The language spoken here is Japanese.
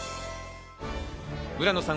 村野さん